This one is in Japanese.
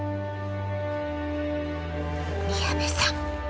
宮部さん。